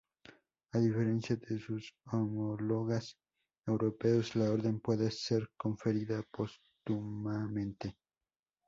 A diferencia de sus homólogas europeas, la orden puede ser conferida póstumamente.